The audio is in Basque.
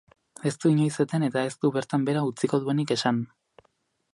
Ez du inoiz eten eta ez du bertan behera utziko duenik esan.